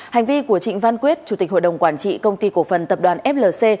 hành vi của trịnh văn quyết chủ tịch hội đồng quản trị công ty cổ phần tập đoàn flc